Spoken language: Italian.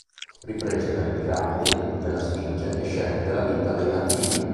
Riprese delle piramidi, della Sfinge e scene della vita dei nativi.